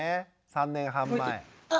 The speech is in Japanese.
３年半前。